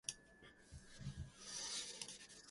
The weather was cold and later changed to sleet and snow.